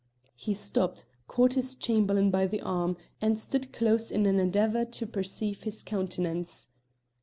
He stopped, caught his Chamberlain by the arm, and stood close in an endeavour to perceive his countenance.